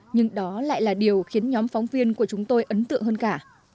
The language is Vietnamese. nhưng đó lại là điều khiến nhóm phóng viên của chúng tôi ấn tượng hơn cả